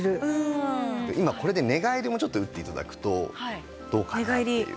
今これで寝返りも打って頂くとどうかな？っていう。